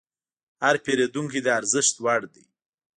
هر پیرودونکی د ارزښت وړ دی.